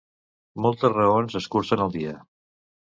Moltes raons escurcen el dia.